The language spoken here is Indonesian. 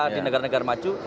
di negara negara maju